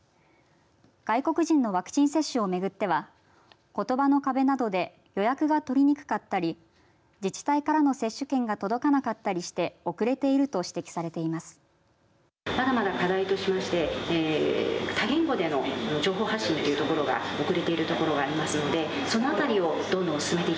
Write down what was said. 外国人のワクチン接種をめぐってはことばの壁などで予約が取りにくかったり自治体からの接種券が届かなかったりして遅れていると指摘されています。